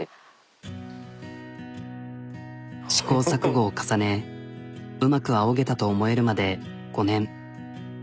試行錯誤を重ねうまくあおげたと思えるまで５年。